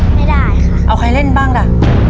ไม่ได้ค่ะเอาใครเล่นบ้างล่ะ